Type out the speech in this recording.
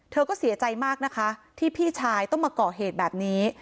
เธอก็เสียใจมากนะคะที่พี่ชายต้องมาก่อเหตุแบบนี้